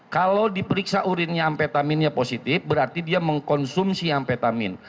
kalau diperiksa urinnya ampetaminnya positif berarti dia mengkonsumsi ampetamin